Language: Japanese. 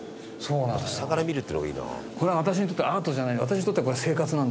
これ私にとってはアートじゃない。